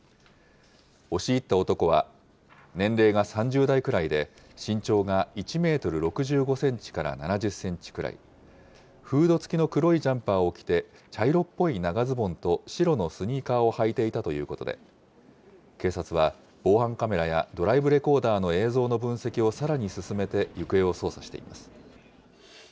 押し入った男は、年齢が３０代くらいで、身長が１メートル６５センチから７０センチくらい、フード付きの黒いジャンパーを着て茶色っぽい長ズボンと白のスニーカーを履いていたということで、警察は防犯カメラやドライブレコーダーの映像の分析をさらに進めて、行方を捜査しています。